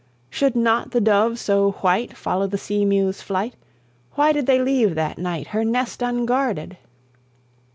Should not the dove so white Follow the sea mew's flight? Why did they leave that night Her nest unguarded?